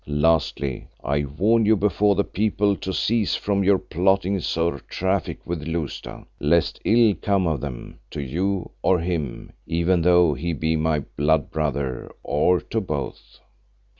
Lastly, I warn you before the people to cease from your plottings or traffic with Lousta, lest ill come of them to you, or him, even though he be my blood brother, or to both."